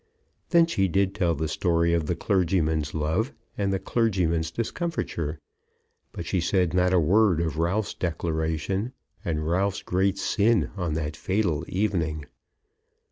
Then she did tell the story of the clergyman's love and the clergyman's discomfiture; but she said not a word of Ralph's declaration and Ralph's great sin on that fatal evening.